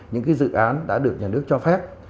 những cái dự án đã được nhà nước cho phép